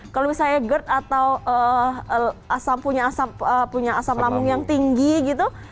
kalau misalnya gerd atau punya asam lambung yang tinggi gitu